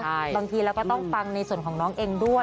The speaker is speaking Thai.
บางทีเราก็ต้องฟังในส่วนของน้องเองด้วย